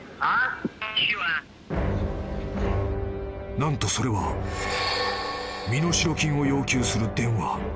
［何とそれは身代金を要求する電話］